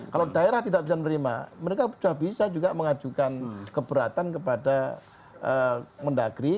kalau daerah tidak bisa menerima mereka sudah bisa juga mengajukan keberatan kepada mendagri